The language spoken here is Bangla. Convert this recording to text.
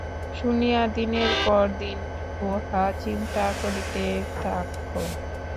শুনিয়া দিনের পর দিন উহা চিন্তা করিতে থাক।